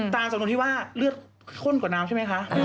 ตราสนที่ว่าเลือดข้นกว่าน้ำใช่มั้ยคะ